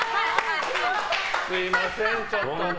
すみません、ちょっと。